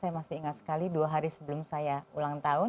saya masih ingat sekali dua hari sebelum saya ulang tahun